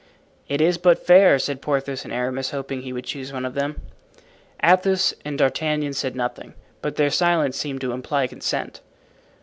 "It is but fair," said Porthos and Aramis, hoping he would choose one of them. Athos and D'Artagnan said nothing, but their silence seemed to imply consent.